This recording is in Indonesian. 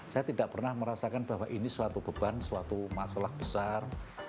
saya tidak pernah merasakan bahwa ini suatu beban suatu masalah besar